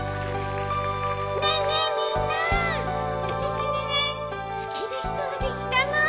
ねえねえ、みんな私にね、好きな人ができたの！